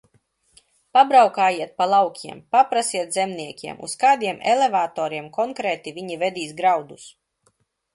Pabraukājiet pa laukiem, paprasiet zemniekiem, uz kādiem elevatoriem konkrēti viņi vedīs graudus!